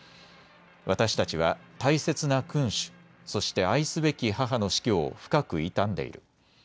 私たちは大切な君主、そして愛すべき母の死去を深く悼んでいる。